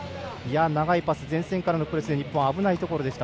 長いパス、前線からのプレスで日本、危ないところでした。